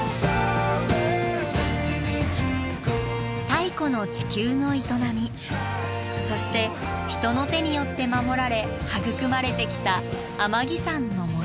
太古の地球の営みそして人の手によって守られ育まれてきた天城山の森。